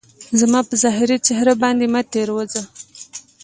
زما ظاهري څهره باندي مه تیروځه